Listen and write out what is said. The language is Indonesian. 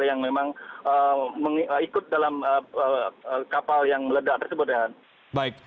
yang memang ikut dalam kapal yang meledak tersebut